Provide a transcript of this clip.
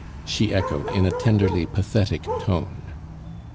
she echoed, in a tenderly pathetic tone.